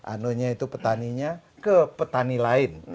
anonya itu petaninya ke petani lain